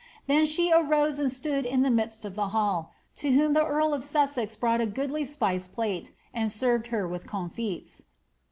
Then she arose and stood in the midst of the hall, . to whom the earl of Sussex hrought a goodly spice plate and served her with comfits.